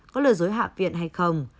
có lừa dối hạ viện hay không